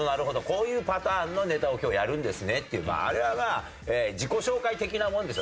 こういうパターンのネタを今日やるんですねっていうあれはまあ自己紹介的なものですよ。